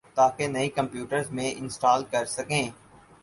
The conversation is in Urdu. تاکہ نئی کمپیوٹرز میں انسٹال کر سکیں